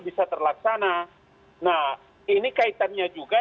bisa terlaksana nah ini kaitannya juga